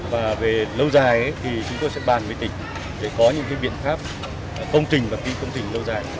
và về lâu dài thì chúng tôi sẽ bàn với tỉnh để có những biện pháp công trình và phi công trình lâu dài